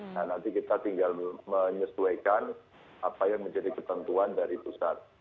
nah nanti kita tinggal menyesuaikan apa yang menjadi ketentuan dari pusat